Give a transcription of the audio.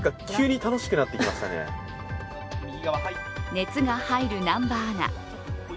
熱が入る南波アナ。